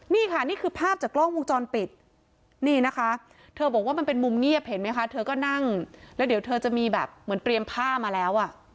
นี่ค่ะนี่คือภาพจากกล้องวงจรปิดนี่นะคะเธอบอกว่ามันเป็นมุมเงียบเห็นไหมคะเธอก็นั่งแล้วเดี๋ยวเธอจะมีแบบเหมือนเตรียมผ้ามาแล้วอ่ะ